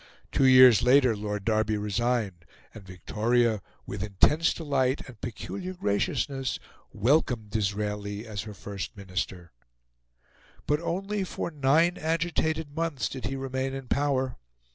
Two years later Lord Derby resigned, and Victoria, with intense delight and peculiar graciousness, welcomed Disraeli as her First Minister. But only for nine agitated months did he remain in power.